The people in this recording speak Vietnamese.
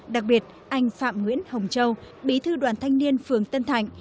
đặc biệt anh phạm nguyễn hồng châu bí thư đoàn thanh niên phường tân thạnh